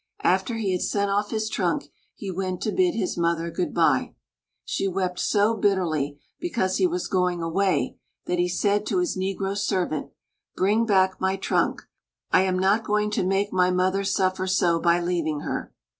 After he had sent off his trunk, he went to bid his mother good by. She wept so bitterly because he was going away that he said to his Negro servant: "Bring back my trunk. I am not going to wake my mother suffer so, by leaving her."